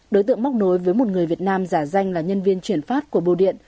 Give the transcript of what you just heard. đối tượng móc nối với một người việt nam giả danh là nhân viên chuyển phát của bưu điện